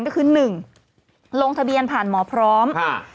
ก็คือ๑ลงทะเบียนผ่านหมอพร้อม